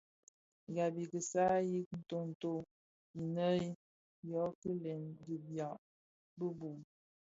Gab i kisaï ki nton nto inèn yo kilèn di biag bi bum.